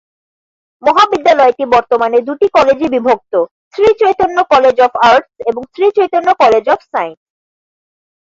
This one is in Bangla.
মহাবিদ্যালয়টি বর্তমানে দুটি কলেজে বিভক্ত, শ্রীচৈতন্য কলেজ অফ আর্টস এবং শ্রীচৈতন্য কলেজ অফ সাইন্স।